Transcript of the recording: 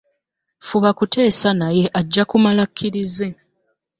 Fuba kuteesa naye ajja kumala akkirize.